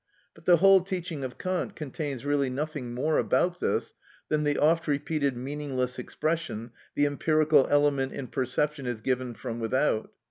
But the whole teaching of Kant contains really nothing more about this than the oft repeated meaningless expression: "The empirical element in perception is given from without."